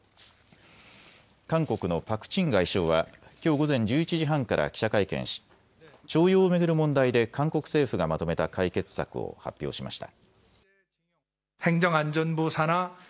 韓国のパク・チン外相はきょう午前１１時半から記者会見し徴用を巡る問題で韓国政府がまとめた解決策を発表しました。